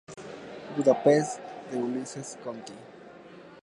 Budapest de Ulises Conti.